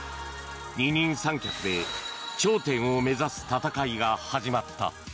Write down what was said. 二人三脚で頂点を目指す戦いが始まった。